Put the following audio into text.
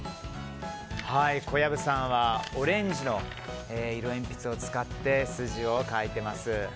小籔さんはオレンジの色鉛筆を使って筋を描いています。